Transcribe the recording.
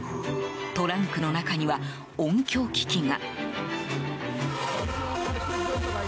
トランクの中には、音響機器が。